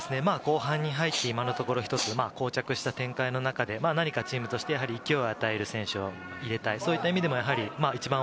後半に入って、今のところこう着した展開の中で、何かチームとして勢いを与える選手を入れたい。